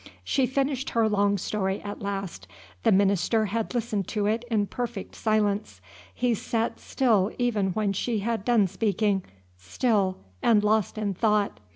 She finished her long story at last. The minister had listened to it in perfect silence. He sat still even when she had done speaking, still, and lost in thought.